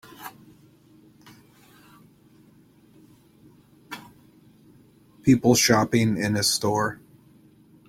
People shopping in a store.